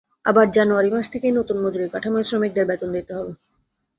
আবার জানুয়ারি মাস থেকেই নতুন মজুরি কাঠামোয় শ্রমিকদের বেতন দিতে হবে।